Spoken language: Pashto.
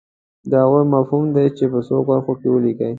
د هغو مفهوم دې په څو کرښو کې ولیکي.